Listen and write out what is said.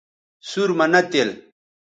سُور مہ نہ تِل